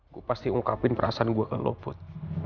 gue pasti ungkapin perasaan gue ke lo put